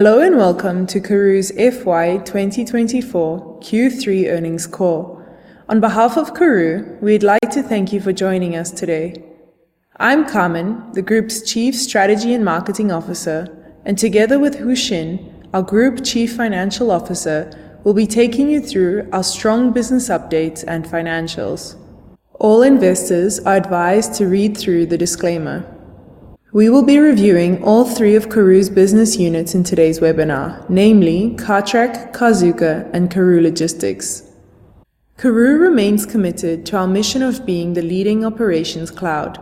Hello, and welcome to Karooooo's FY 2024 Q3 earnings call. On behalf of Karooooo, we'd like to thank you for joining us today. I'm Carmen, the group's Chief Strategy and Marketing Officer, and together with Hoe Shin, our Group Chief Financial Officer, we'll be taking you through our strong business updates and financials. All investors are advised to read through the disclaimer. We will be reviewing all three of Karooooo's business units in today's webinar, namely Cartrack, Carzuka, and Karooooo Logistics. Karooooo remains committed to our mission of being the leading operations cloud.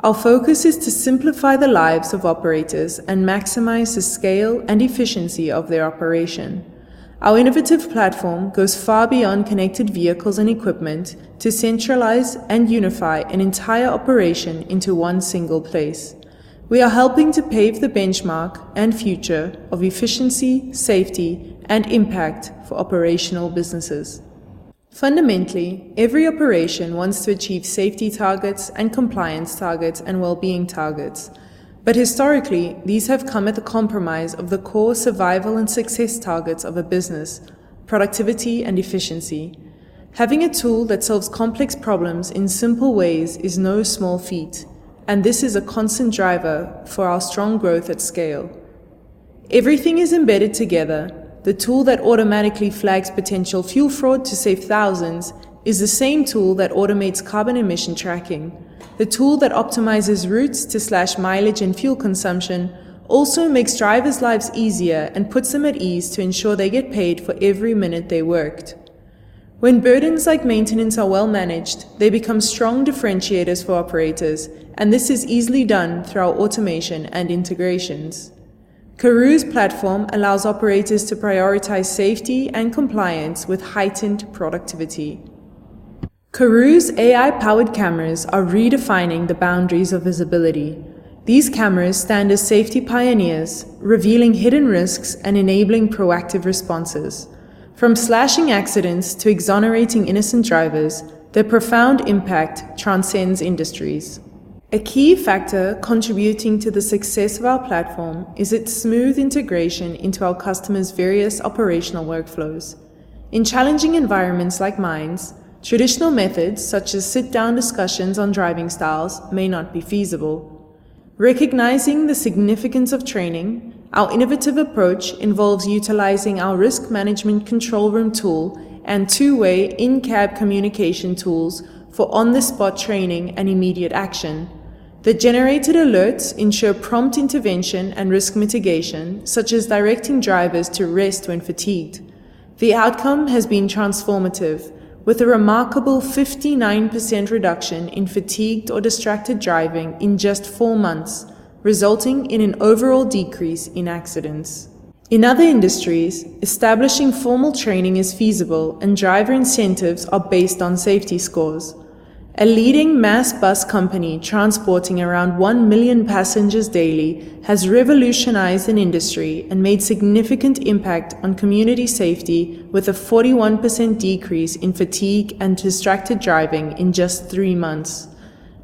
Our focus is to simplify the lives of operators and maximize the scale and efficiency of their operation. Our innovative platform goes far beyond connected vehicles and equipment to centralize and unify an entire operation into one single place. We are helping to pave the benchmark and future of efficiency, safety, and impact for operational businesses. Fundamentally, every operation wants to achieve safety targets and compliance targets and well-being targets. But historically, these have come at the compromise of the core survival and success targets of a business: productivity and efficiency. Having a tool that solves complex problems in simple ways is no small feat, and this is a constant driver for our strong growth at scale. Everything is embedded together. The tool that automatically flags potential fuel fraud to save thousands is the same tool that automates carbon emission tracking. The tool that optimizes routes to slash mileage and fuel consumption also makes drivers' lives easier and puts them at ease to ensure they get paid for every minute they worked. When burdens like maintenance are well managed, they become strong differentiators for operators, and this is easily done through our automation and integrations. Karooooo's platform allows operators to prioritize safety and compliance with heightened productivity. Karooooo's AI-powered cameras are redefining the boundaries of visibility. These cameras stand as safety pioneers, revealing hidden risks and enabling proactive responses. From slashing accidents to exonerating innocent drivers, their profound impact transcends industries. A key factor contributing to the success of our platform is its smooth integration into our customers' various operational workflows. In challenging environments like mines, traditional methods, such as sit-down discussions on driving styles, may not be feasible. Recognizing the significance of training, our innovative approach involves utilizing our risk management control room tool and two-way in-cab communication tools for on-the-spot training and immediate action. The generated alerts ensure prompt intervention and risk mitigation, such as directing drivers to rest when fatigued. The outcome has been transformative, with a remarkable 59% reduction in fatigued or distracted driving in just four months, resulting in an overall decrease in accidents. In other industries, establishing formal training is feasible and driver incentives are based on safety scores. A leading mass bus company transporting around 1 million passengers daily has revolutionized an industry and made significant impact on community safety, with a 41% decrease in fatigue and distracted driving in just three months.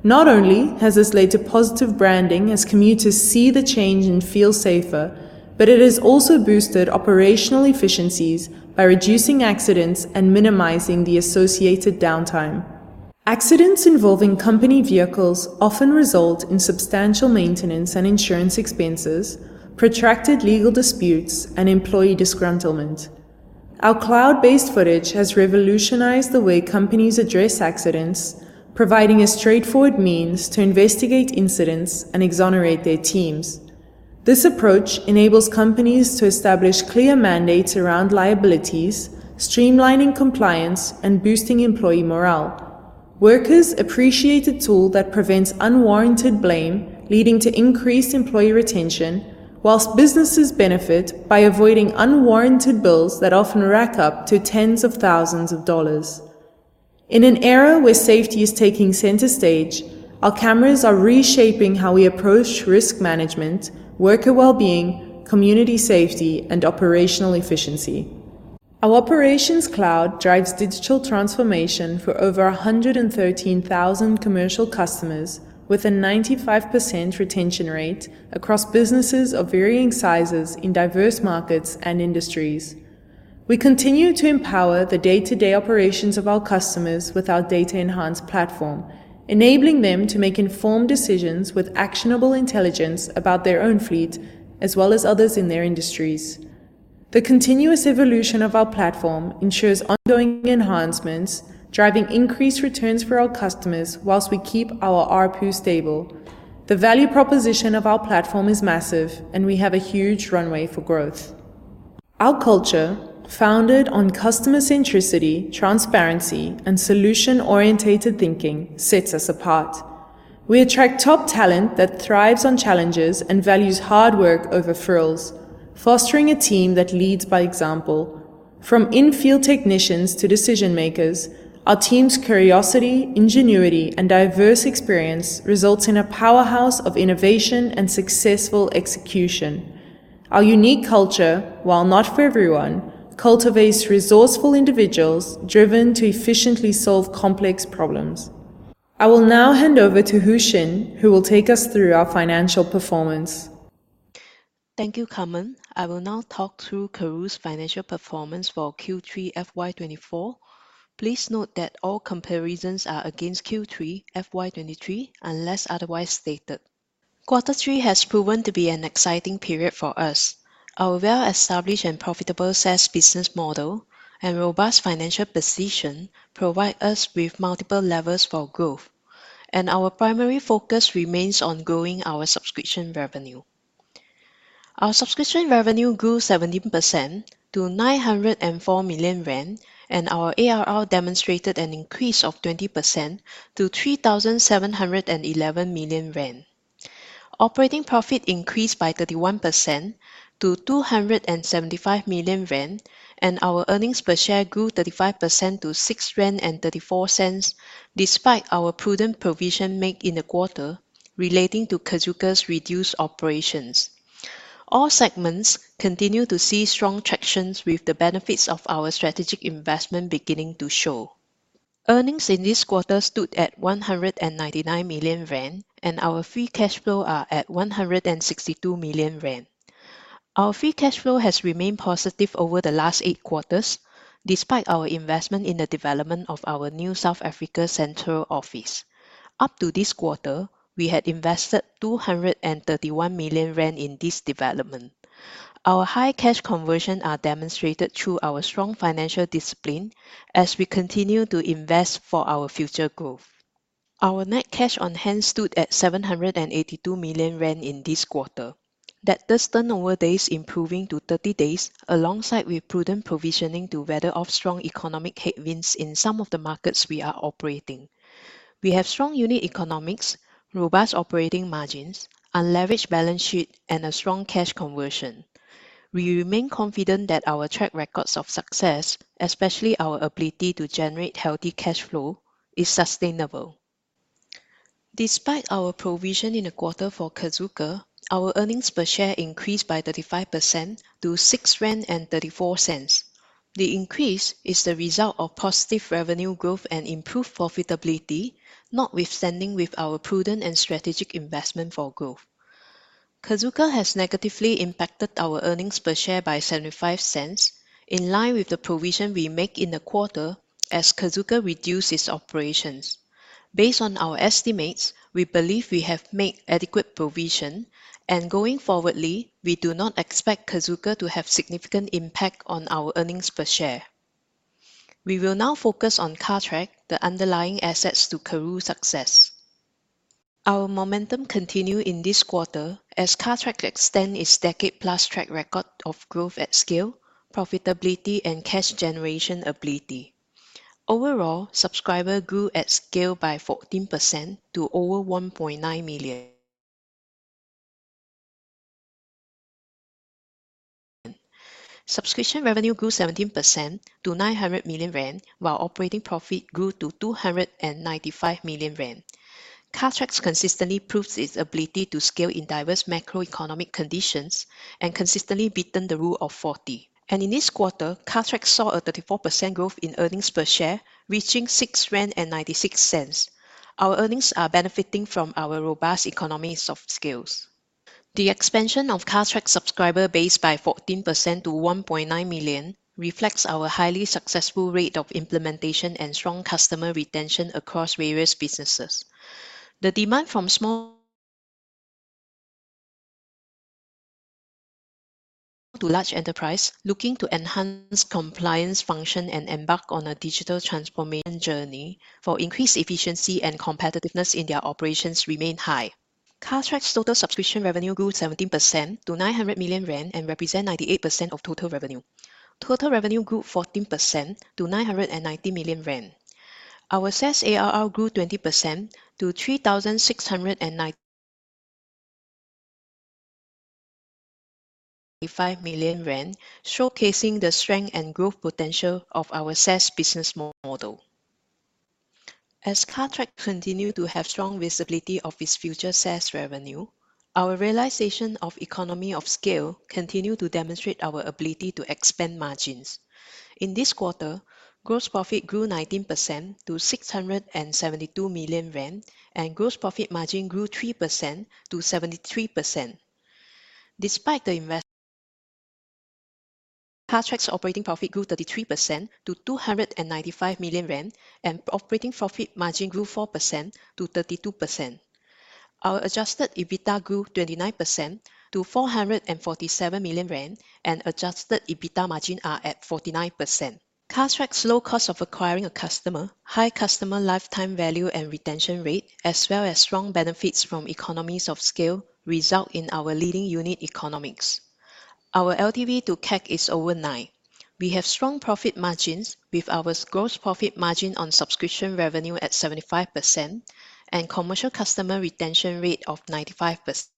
Not only has this led to positive branding as commuters see the change and feel safer, but it has also boosted operational efficiencies by reducing accidents and minimizing the associated downtime. Accidents involving company vehicles often result in substantial maintenance and insurance expenses, protracted legal disputes, and employee disgruntlement. Our cloud-based footage has revolutionized the way companies address accidents, providing a straightforward means to investigate incidents and exonerate their teams. This approach enables companies to establish clear mandates around liabilities, streamlining compliance, and boosting employee morale. Workers appreciate a tool that prevents unwarranted blame, leading to increased employee retention, while businesses benefit by avoiding unwarranted bills that often rack up to $10,000s. In an era where safety is taking center stage, our cameras are reshaping how we approach risk management, worker well-being, community safety, and operational efficiency. Our operations cloud drives digital transformation for over 113,000 commercial customers, with a 95% retention rate across businesses of varying sizes in diverse markets and industries. We continue to empower the day-to-day operations of our customers with our data-enhanced platform, enabling them to make informed decisions with actionable intelligence about their own fleet, as well as others in their industries. The continuous evolution of our platform ensures ongoing enhancements, driving increased returns for our customers while we keep our ARPU stable. The value proposition of our platform is massive, and we have a huge runway for growth. Our culture, founded on customer centricity, transparency, and solution-oriented thinking, sets us apart. We attract top talent that thrives on challenges and values hard work over frills, fostering a team that leads by example. From in-field technicians to decision-makers, our team's curiosity, ingenuity, and diverse experience results in a powerhouse of innovation and successful execution. Our unique culture, while not for everyone, cultivates resourceful individuals driven to efficiently solve complex problems. I will now hand over to Hoe Shin, who will take us through our financial performance. Thank you, Carmen. I will now talk through Karooooo's financial performance for Q3 FY 2024. Please note that all comparisons are against Q3 FY 2023, unless otherwise stated. Quarter three has proven to be an exciting period for us. Our well-established and profitable SaaS business model and robust financial position provide us with multiple levers for growth, and our primary focus remains on growing our subscription revenue. Our subscription revenue grew 17% to 904 million rand, and our ARR demonstrated an increase of 20% to 3,711 million rand. Operating profit increased by 31% to 275 million rand, and our earnings per share grew 35% to 6.34 rand, despite our prudent provision made in the quarter relating to Carzuka's reduced operations. All segments continue to see strong traction with the benefits of our strategic investment beginning to show. Earnings in this quarter stood at 199 million, and our free cash flow are at 162 million. Our free cash flow has remained positive over the last eight quarters, despite our investment in the development of our new South Africa central office. Up to this quarter, we had invested 231 million rand in this development. Our high cash conversion are demonstrated through our strong financial discipline as we continue to invest for our future growth. Our net cash on hand stood at 782 million rand in this quarter. That the turnover days improving to 30 days, alongside with prudent provisioning to weather off strong economic headwinds in some of the markets we are operating. We have strong unit economics, robust operating margins, unleveraged balance sheet, and a strong cash conversion. We remain confident that our track record of success, especially our ability to generate healthy cash flow, is sustainable. Despite our provision in the quarter for Carzuka, our earnings per share increased by 35% to 6.34 rand. The increase is the result of positive revenue growth and improved profitability, notwithstanding with our prudent and strategic investment for growth. Carzuka has negatively impacted our earnings per share by 0.75, in line with the provision we make in the quarter as Carzuka reduces operations. Based on our estimates, we believe we have made adequate provision, and going forwardly, we do not expect Carzuka to have significant impact on our earnings per share. We will now focus on Cartrack, the underlying assets to Karooooo's success. Our momentum continues in this quarter as Cartrack extends its decade-plus track record of growth at scale, profitability, and cash generation ability. Overall, subscribers grew at scale by 14% to over 1.9 million. Subscription revenue grew 17% to 900 million rand, while operating profit grew to 295 million rand. Cartrack consistently proves its ability to scale in diverse macroeconomic conditions and consistently beats the Rule of Forty. And in this quarter, Cartrack saw a 34% growth in earnings per share, reaching 6.96 rand. Our earnings are benefiting from our robust economies of scale. The expansion of Cartrack subscriber base by 14% to 1.9 million reflects our highly successful rate of implementation and strong customer retention across various businesses. The demand from small- to large enterprise looking to enhance compliance function and embark on a digital transformation journey for increased efficiency and competitiveness in their operations remain high. Cartrack's total subscription revenue grew 17% to 900 million rand and represent 98% of total revenue. Total revenue grew 14% to 990 million rand. Our SaaS ARR grew 20% to 3,695 million rand, showcasing the strength and growth potential of our SaaS business model. As Cartrack continue to have strong visibility of its future SaaS revenue, our realization of economy of scale continue to demonstrate our ability to expand margins. In this quarter, gross profit grew 19% to 672 million rand, and gross profit margin grew 3% to 73%. Cartrack's operating profit grew 33% to 295 million rand, and operating profit margin grew 4% to 32%. Our adjusted EBITDA grew 29% to 447 million rand, and adjusted EBITDA margin are at 49%. Cartrack's low cost of acquiring a customer, high customer lifetime value and retention rate, as well as strong benefits from economies of scale, result in our leading unit economics. Our LTV to CAC is over nine. We have strong profit margins with our gross profit margin on subscription revenue at 75% and commercial customer retention rate of 95%.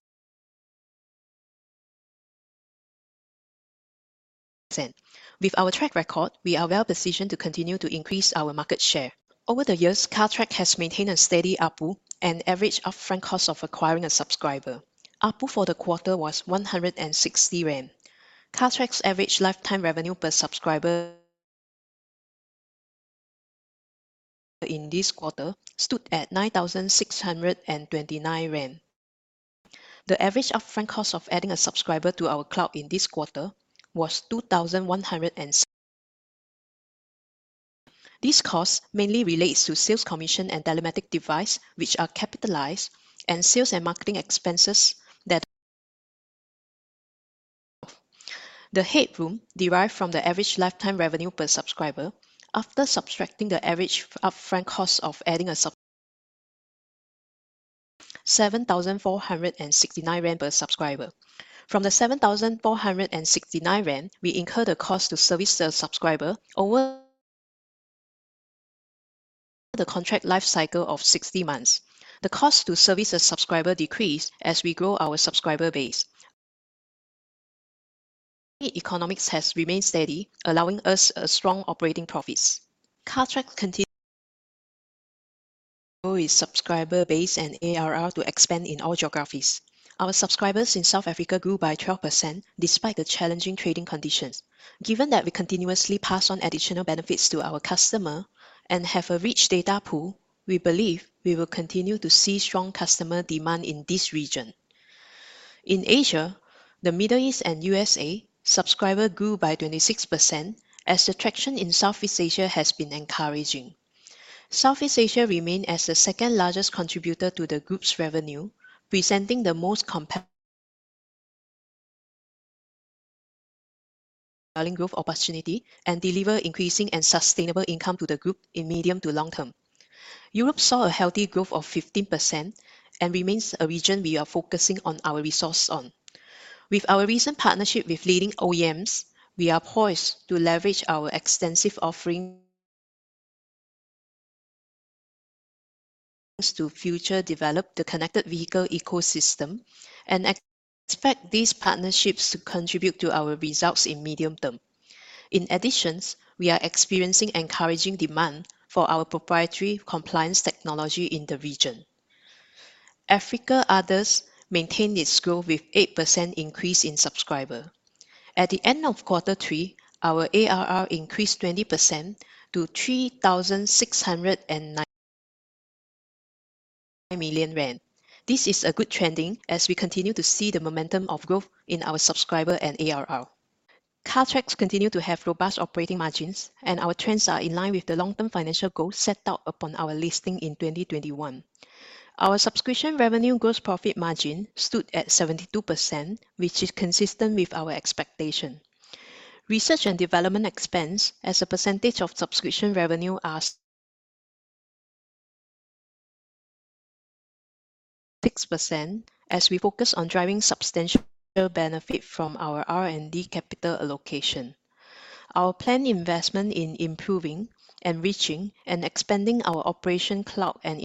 With our track record, we are well-positioned to continue to increase our market share. Over the years, Cartrack has maintained a steady ARPU and average upfront cost of acquiring a subscriber. ARPU for the quarter was 160 rand. Cartrack's average lifetime revenue per subscriber in this quarter stood at 9,629 rand. The average upfront cost of adding a subscriber to our cloud in this quarter was 2,160. These costs mainly relate to sales commission and telematics device, which are capitalized, and sales and marketing expenses that. The headroom derived from the average lifetime revenue per subscriber, after subtracting the average upfront cost of adding a subscriber, seven thousand four hundred and sixty-nine rand per subscriber. From the seven thousand four hundred and sixty-nine rand, we incur the cost to service the subscriber over the contract life cycle of 60 months. The cost to service a subscriber decrease as we grow our subscriber base. Economics has remained steady, allowing us a strong operating profits. Cartrack continues its subscriber base and ARR to expand in all geographies. Our subscribers in South Africa grew by 12% despite the challenging trading conditions. Given that we continuously pass on additional benefits to our customer and have a rich data pool, we believe we will continue to see strong customer demand in this region. In Asia, the Middle East and U.S.A., subscriber grew by 26% as the traction in Southeast Asia has been encouraging. Southeast Asia remains as the second largest contributor to the group's revenue, presenting the most compelling growth opportunity and deliver increasing and sustainable income to the group in medium to long-term. Europe saw a healthy growth of 15% and remains a region we are focusing on our resource on. With our recent partnership with leading OEMs, we are poised to leverage our extensive offering to further develop the connected vehicle ecosystem, and expect these partnerships to contribute to our results in medium-term. In addition, we are experiencing encouraging demand for our proprietary compliance technology in the region. Africa Others maintained its growth with 8% increase in subscriber. At the end of quarter three, our ARR increased 20% to 3,695 million rand. This is a good trending as we continue to see the momentum of growth in our subscribers and ARR. Cartrack continue to have robust operating margins, and our trends are in line with the long-term financial goals set out upon our listing in 2021. Our subscription revenue gross profit margin stood at 72%, which is consistent with our expectation. Research and development expense as a percentage of subscription revenue are 6%, as we focus on driving substantial benefit from our R&D capital allocation. Our planned investment in improving, enriching, and expanding our operations cloud and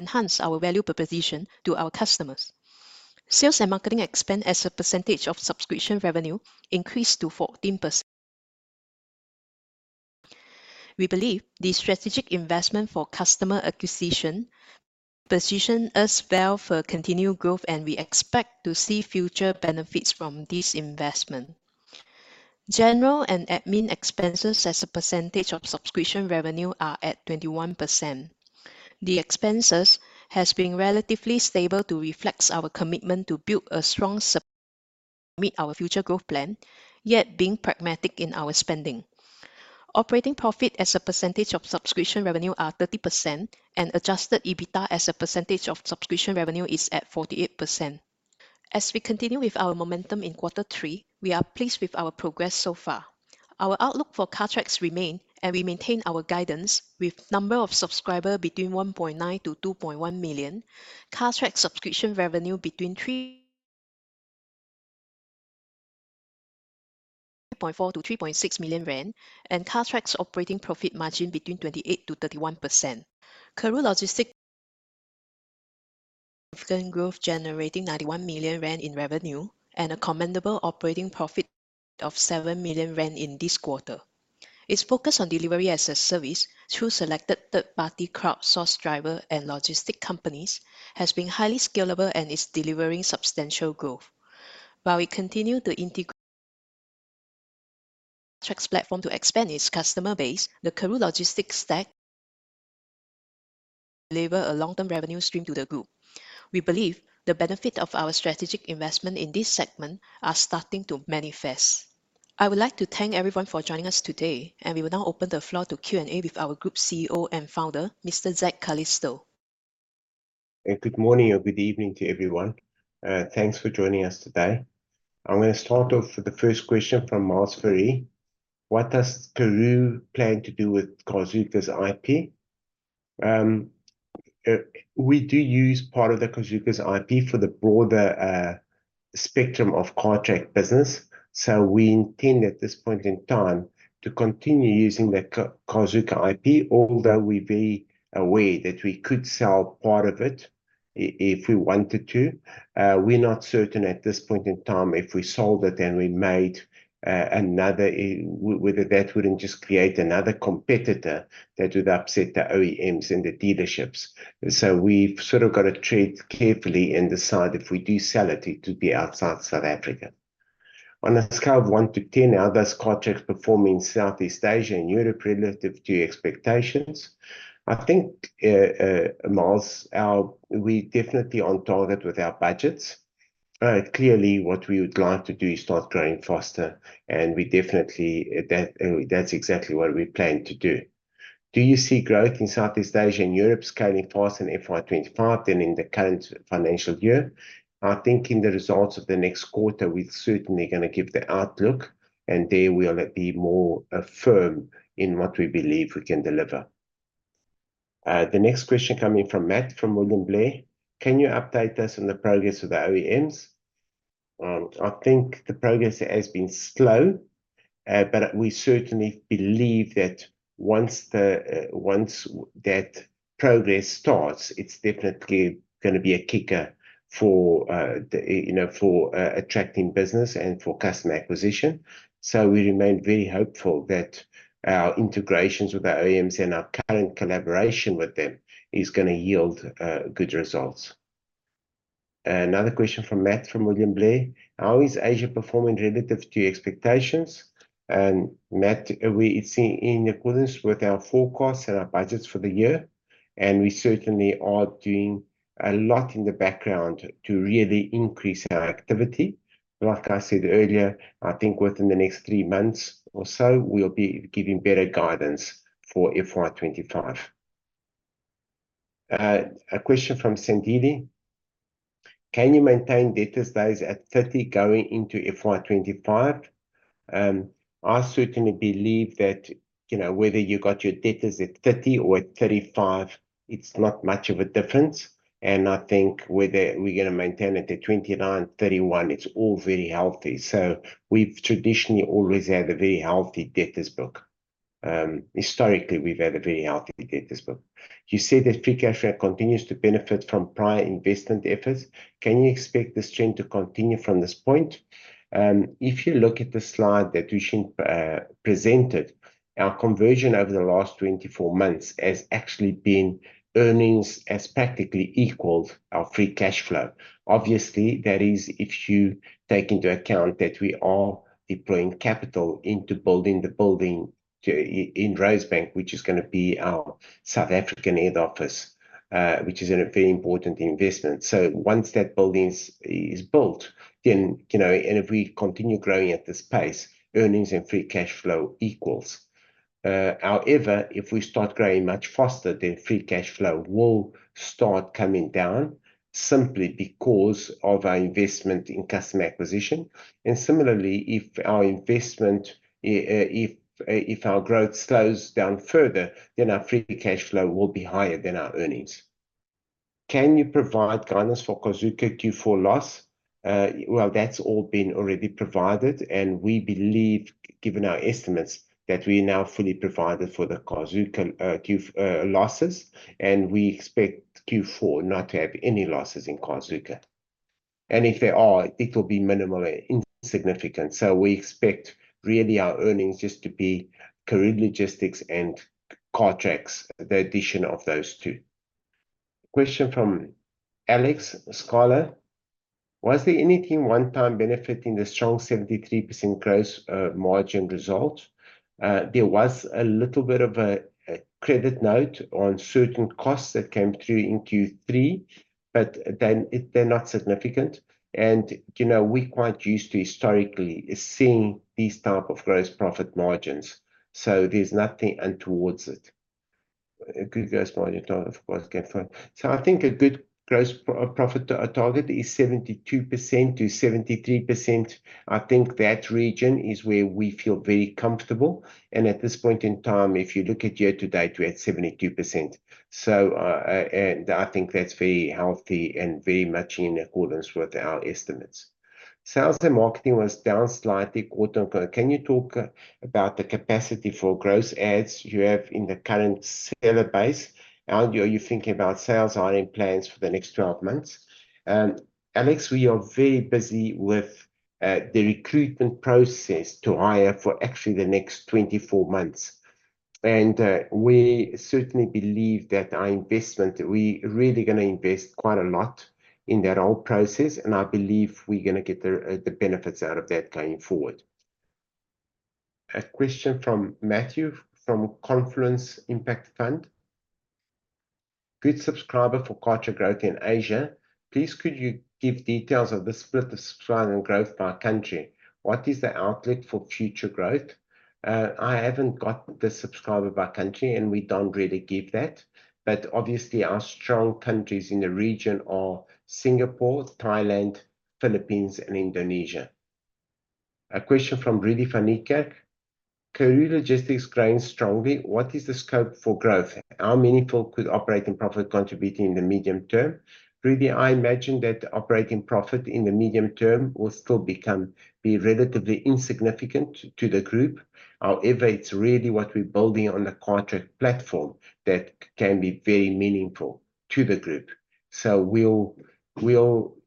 enhance our value proposition to our customers. Sales and marketing expense as a percentage of subscription revenue increased to 14%. We believe this strategic investment for customer acquisition position us well for continued growth, and we expect to see future benefits from this investment. General and admin expenses as a percentage of subscription revenue are at 21%. The expenses has been relatively stable to reflect our commitment to build a strong meet our future growth plan, yet being pragmatic in our spending. Operating profit as a percentage of subscription revenue are 30%, and adjusted EBITDA as a percentage of subscription revenue is at 48%. As we continue with our momentum in quarter three, we are pleased with our progress so far. Our outlook for Cartrack remains, and we maintain our guidance with number of subscribers between 1.9-2.1 million, Cartrack subscription revenue between 3.4 million-3.6 million rand, and Cartrack's operating profit margin between 28%-31%. Karooooo Logistics' growth, generating 91 million rand in revenue and a commendable operating profit of 7 million rand in this quarter. Its focus on delivery-as-a-service through selected third-party crowdsourced driver and logistic companies has been highly scalable and is delivering substantial growth. While we continue to integrate Cartrack's platform to expand its customer base, the Karooooo Logistics Stack delivers a long-term revenue stream to the group. We believe the benefit of our strategic investment in this segment is starting to manifest. I would like to thank everyone for joining us today, and we will now open the floor to Q&A with our Group CEO and Founder, Mr. Zak Calisto. Good morning or good evening to everyone. Thanks for joining us today. I'm going to start off with the first question from Miles Maybury. What does Karooooo plan to do with Carzuka's IP? We do use part of the Carzuka's IP for the broader spectrum of Cartrack business. So we intend, at this point in time, to continue using the Carzuka's IP, although we be aware that we could sell part of it if we wanted to. We're not certain at this point in time, if we sold it, then we made another whether that wouldn't just create another competitor that would upset the OEMs and the dealerships. So we've sort of got to tread carefully and decide if we do sell it, it to be outside South Africa. On a scale of one to ten, how does Cartrack perform in Southeast Asia and Europe relative to your expectations? I think, Miles, we're definitely on target with our budgets. Clearly, what we would like to do is start growing faster, and we definitely, that's exactly what we plan to do. Do you see growth in Southeast Asia and Europe scaling fast in FY 2025 than in the current financial year? I think in the results of the next quarter, we're certainly gonna give the outlook, and there we will be more firm in what we believe we can deliver. The next question coming from Matt, from William Blair: Can you update us on the progress of the OEMs? I think the progress has been slow, but we certainly believe that once that progress starts, it's definitely gonna be a kicker for, you know, for attracting business and for customer acquisition. So we remain very hopeful that our integrations with the OEMs and our current collaboration with them is gonna yield good results. Another question from Matt, from William Blair: How is Asia performing relative to expectations? Matt, it's in accordance with our forecasts and our budgets for the year, and we certainly are doing a lot in the background to really increase our activity. Like I said earlier, I think within the next three months or so, we'll be giving better guidance for FY 2025. A question from Sandile: Can you maintain debtors days at 30 going into FY 2025? I certainly believe that, you know, whether you got your debtors at 30 or at 35, it's not much of a difference, and I think whether we're gonna maintain it at 29, 31, it's all very healthy. So we've traditionally always had a very healthy debtors book. Historically, we've had a very healthy debtors book. You said that free cash flow continues to benefit from prior investment efforts. Can you expect this trend to continue from this point? If you look at the slide that Hoe Shin presented, our conversion over the last 24 months has actually been earnings has practically equaled our free cash flow. Obviously, that is if you take into account that we are deploying capital into building the building in Rosebank, which is gonna be our South African head office, which is a very important investment. So once that building is built, then, you know, and if we continue growing at this pace, earnings and free cash flow equals. However, if we start growing much faster, then free cash flow will start coming down simply because of our investment in customer acquisition. And similarly, if our growth slows down further, then our free cash flow will be higher than our earnings. Can you provide guidance for Carzuka Q4 loss? Well, that's all been already provided, and we believe, given our estimates, that we are now fully provided for the Carzuka Q4 losses, and we expect Q4 not to have any losses in Carzuka. And if there are, it'll be minimal or insignificant. So we expect really our earnings just to be Karooooo Logistics and Cartrack, the addition of those two. Question from Alex Schoeller: Was there anything one-time benefiting the strong 73% gross margin result? There was a little bit of a credit note on certain costs that came through in Q3, but they're not significant. And, you know, we're quite used to historically seeing these type of gross profit margins, so there's nothing untowards it. A good gross margin target, of course, can find. So I think a good gross profit target is 72%-73%. I think that region is where we feel very comfortable, and at this point in time, if you look at year to date, we're at 72%. So, and I think that's very healthy and very much in accordance with our estimates. Sales and marketing was down slightly quarter over. Can you talk about the capacity for gross adds you have in the current seller base? And are you thinking about sales hiring plans for the next 12 months? Alex, we are very busy with the recruitment process to hire for actually the next 24 months. And we certainly believe that our investment, we really gonna invest quite a lot in that whole process, and I believe we're gonna get the benefits out of that going forward. A question from Matthew, from Confluence Impact Fund. Good subscriber for Cartrack growth in Asia. Please, could you give details of the split of subscriber and growth by country? What is the outlet for future growth? I haven't got the subscriber by country, and we don't really give that, but obviously, our strong countries in the region are Singapore, Thailand, Philippines, and Indonesia. A question from Rudy van Niekerk: Karooooo Logistics growing strongly, what is the scope for growth? How meaningful could operating profit contributing in the medium-term? Rudy, I imagine that operating profit in the medium-term will still become relatively insignificant to the group. However, it's really what we're building on the Cartrack platform that can be very meaningful to the group. So we'll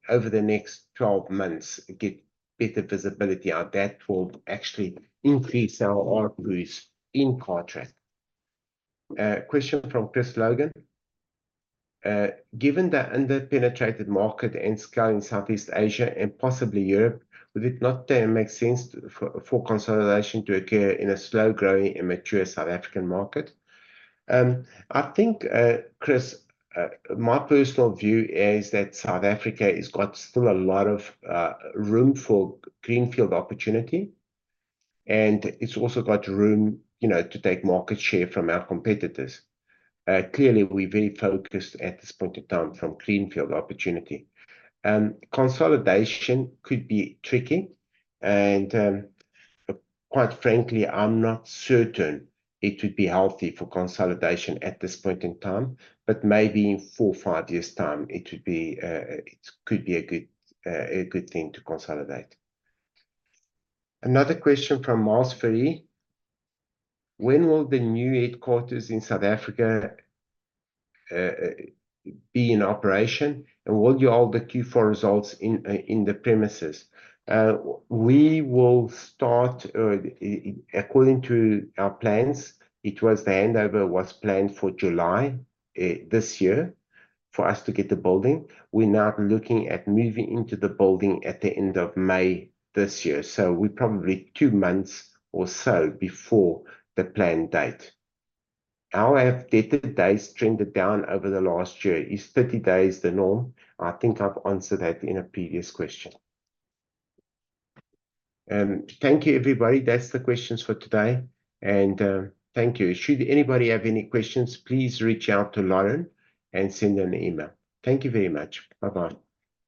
over the next 12 months get better visibility, and that will actually increase our revenues in Cartrack. Question from Chris Logan: Given the under-penetrated market and scale in Southeast Asia and possibly Europe, would it not make sense for consolidation to occur in a slow-growing and mature South African market? I think, Chris, my personal view is that South Africa has got still a lot of room for greenfield opportunity, and it's also got room, you know, to take market share from our competitors. Clearly, we're very focused at this point in time from greenfield opportunity. Consolidation could be tricky, and, quite frankly, I'm not certain it would be healthy for consolidation at this point in time, but maybe in 4-5 years' time, it would be, it could be a good, a good thing to consolidate. Another question from Miles Maybury: When will the new headquarters in South Africa be in operation, and will you hold the Q4 results in, in the premises? We will start according to our plans. It was the handover was planned for July this year for us to get the building. We're now looking at moving into the building at the end of May this year, so we're probably two months or so before the planned date. How have debtor days trended down over the last year? Is 30 days the norm? I think I've answered that in a previous question. Thank you, everybody. That's the questions for today. Thank you. Should anybody have any questions, please reach out to Lauren and send her an email. Thank you very much. Bye-bye.